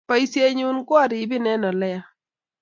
Basiet nyun ko aribin eng oleya